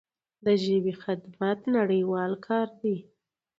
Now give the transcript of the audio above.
د ژبې خدمت نړیوال کار دی.